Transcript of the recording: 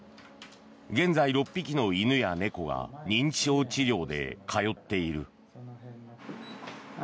現在、６匹の犬や猫が認知症治療で通っている。